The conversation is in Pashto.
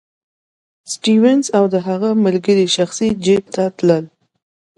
د سټیونز او د هغه د ملګرو شخصي جېب ته تلل.